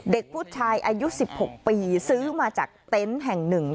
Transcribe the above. เด็กผู้ชายอายุ๑๖ปีซื้อมาจากเต็นต์แห่งหนึ่ง